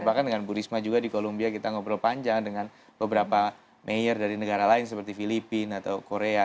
bahkan dengan bu risma juga di columbia kita ngobrol panjang dengan beberapa mayor dari negara lain seperti filipina atau korea